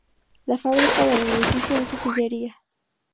La fábrica del edificio es de sillería.